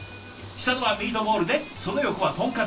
下のはミートボールでその横は豚カツ。